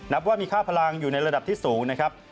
นับว่ามีค่าพลังอยู่ในระดับที่สูงนะครับ